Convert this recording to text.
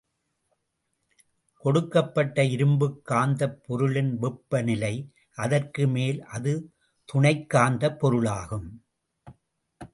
கொடுக்கப்பட்ட இரும்புக் காந்தப் பொருளின் வெப்ப நிலை.அதற்கு மேல் அது துணைக் காந்தப் பொருளாகும்.